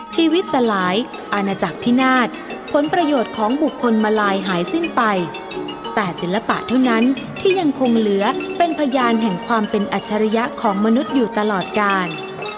สลายอาณาจักรพินาศผลประโยชน์ของบุคคลมาลายหายสิ้นไปแต่ศิลปะเท่านั้นที่ยังคงเหลือเป็นพยานแห่งความเป็นอัจฉริยะของมนุษย์อยู่ตลอดการ